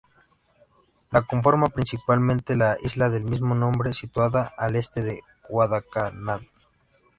La conforma principalmente la isla del mismo nombre, situada al este de Guadalcanal.